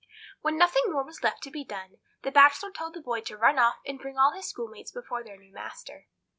When nothing more was left to be done, the Bachelor told the boy to run off and bring all his schoolmates before their new master.